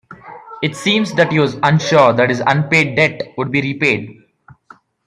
It seems that he was unsure that his unpaid debt would be repaid.